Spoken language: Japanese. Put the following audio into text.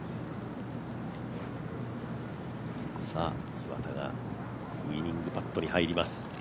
岩田がウイニングパットに入ります。